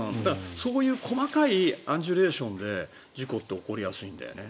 そういう細かいアンジュレーションで事故って起こりやすいんだよね。